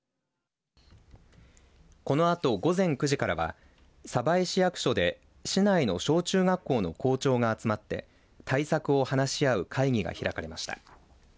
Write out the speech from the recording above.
このあと午前９時からは鯖江市役所で市内の小中学校の校長が集まって対策を話し合う会議が開かれました。